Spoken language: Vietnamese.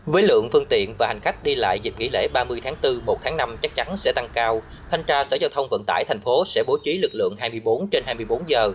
với lượng phương tiện và hành khách đi lại dịp nghỉ lễ ba mươi tháng bốn một tháng năm chắc chắn sẽ tăng cao thanh tra sở giao thông vận tải thành phố sẽ bố trí lực lượng hai mươi bốn trên hai mươi bốn giờ